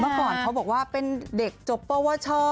เมื่อก่อนเขาบอกว่าเป็นเด็กจบปวช